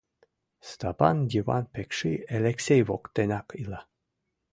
Стапан Йыван Пекши Элексей воктенак ила.